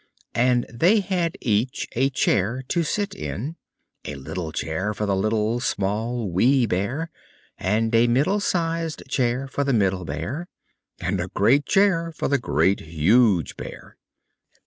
And they had each a chair to sit in; a little chair for the Little, Small, Wee Bear; and a middle sized chair for the Middle Bear, and a great chair for the Great, Huge Bear.